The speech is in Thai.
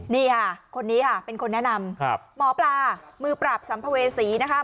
นี่ค่ะคนนี้ค่ะเป็นคนแนะนำหมอปลามือปราบสัมภเวษีนะคะ